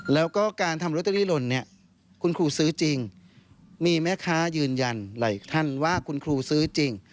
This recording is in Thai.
แล้วก็การทำโรตเตอรี่หล่นเนี่ยคุณครูซื้อจริงมีแม่ค้ายืนยันหลายท่านว่าคุณครูซื้อจริง